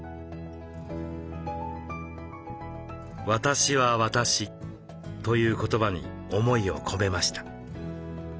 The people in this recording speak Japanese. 「私は私」という言葉に思いを込めました。